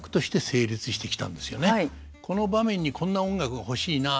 この場面にこんな音楽が欲しいなと。